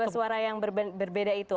suara yang berbeda itu